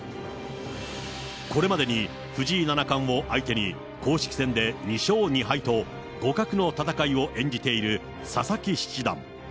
これまでに藤井七冠を相手に、公式戦で２勝２敗と互角の戦いを演じている佐々木七段。